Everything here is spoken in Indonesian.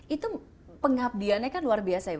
itu pengabdiannya kan luar biasa ya